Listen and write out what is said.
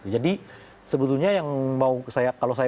jadi sebetulnya yang mau saya